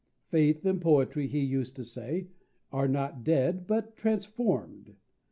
Faith and poetry, he used to say, are not dead, but transformed.